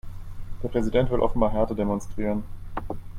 Der Präsident will offenbar Härte demonstrieren.